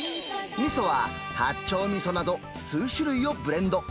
みそは八丁みそなど、数種類をブレンド。